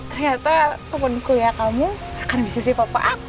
ternyata kemen kuliah kamu akan bisa si papa aku